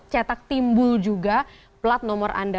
cetak timbul juga plat nomor anda